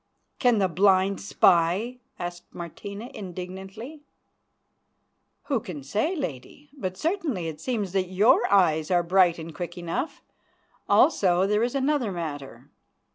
"Can the blind spy?" asked Martina indignantly. "Who can say, Lady? But certainly it seems that your eyes are bright and quick enough. Also there is another matter.